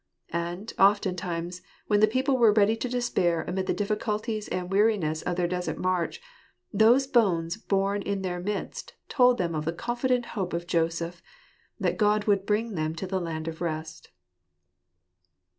And, often times, when the people were ready to despair amid the difficulties and weariness of their desert march, those bones borne in their midst told them of the confident hope of Joseph — that God would bring them to the land of rest.